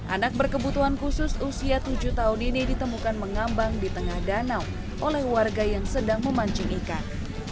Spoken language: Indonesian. anak berkebutuhan khusus usia tujuh tahun ini ditemukan mengambang di tengah danau oleh warga yang sedang memancing ikan